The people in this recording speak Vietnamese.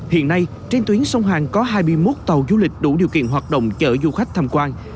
hiện nay trên tuyến sông hàng có hai mươi một tàu du lịch đủ điều kiện hoạt động chở du khách tham quan